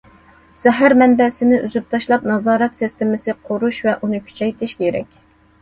زەھەر مەنبەسىنى ئۈزۈپ تاشلاپ، نازارەت سىستېمىسى قۇرۇش ۋە ئۇنى كۈچەيتىش كېرەك.